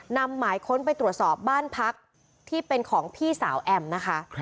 นำหมายค้นไปตรวจสอบบ้านพักที่เป็นของพี่สาวแอมนะคะ